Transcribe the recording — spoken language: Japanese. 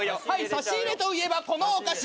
差し入れといえばこのお菓子。